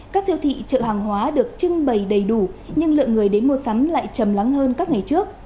các siêu thị chợ hàng hóa được trưng bày đầy đủ nhưng lượng người đến mua sắm lại chầm lắng hơn các ngày trước